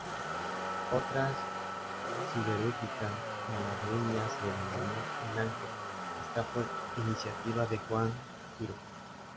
Otra siderúrgica malagueña se denominó "El Ángel" esta por iniciativa de Juan Giró.